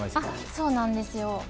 そうなんですよ。